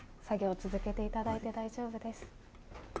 作業を続けて頂いて大丈夫です。